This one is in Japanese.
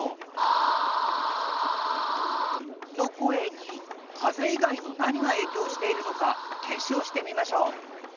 あぁあぁ！の声に風以外の何がえいきょうしているのか検証してみましょう。